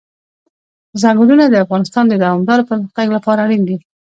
ځنګلونه د افغانستان د دوامداره پرمختګ لپاره اړین دي.